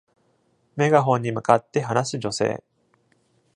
メガホンに向かって話す女性。